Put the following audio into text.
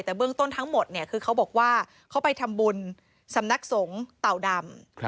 แต่เบื้องต้นทั้งหมดเนี่ยคือเขาบอกว่าเขาไปทำบุญสำนักสงฆ์เต่าดำ